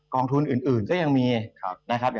องทุนอื่นก็ยังมีนะครับ